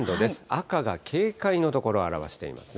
赤が警戒の所を表していますね。